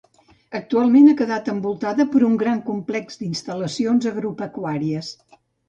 Actualment ha quedat envoltada per un gran complex d'instal·lacions agropecuàries.